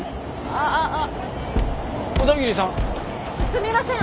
すみません。